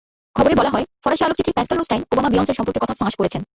খবরে বলা হয়, ফরাসি আলোকচিত্রী পাসকেল রোস্টাইন ওবামা-বিয়ন্সের সম্পর্কের কথা ফাঁস করেছেন।